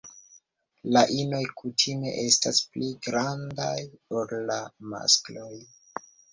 La inoj kutime estas pli grandaj ol la maskloj.